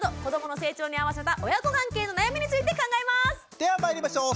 ではまいりましょう。